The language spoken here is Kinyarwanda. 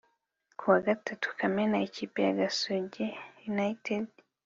kuwa gatatu kamena ikipe ya gasogi united